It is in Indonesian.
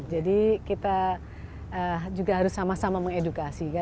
jadi kita juga harus sama sama mengedukasi